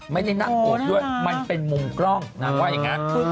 ไม่ได้นั่งโอดด้วยมันเป็นมุมกล้องนางว่าอย่างนั้น